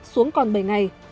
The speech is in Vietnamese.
xuống còn bảy ngày